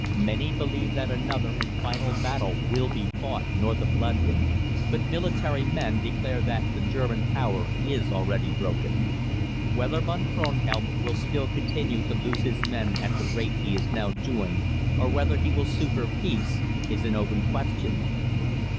Many believe that another and final battle will be fought north of London, but military men declare that the German power is already broken. Whether Von Kronhelm will still continue to lose his men at the rate he is now doing, or whether he will sue for peace, is an open question.